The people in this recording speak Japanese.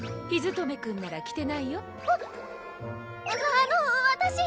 あの私。